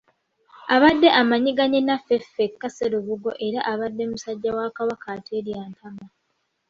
Abadde amanyiganye ne Ffeffekka Sserubogo era abadde musajja wa Kabaka ateerya ntama.